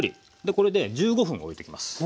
これで１５分おいときます。